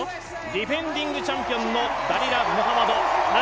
ディフェンディングチャンピオンのダリラ・ムハマド。